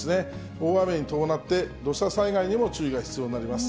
大雨に伴って土砂災害にも注意が必要になります。